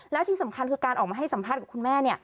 แล้วที่สำคัญคือการออกมาให้สัมภาษณ์กับคุณแม่